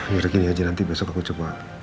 yuk gini aja nanti besok aku coba